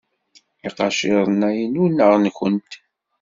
Iqaciren-a inu neɣ nwent?